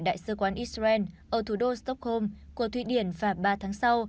đại sứ quán israel ở thủ đô stockholm của thụy điển vào ba tháng sau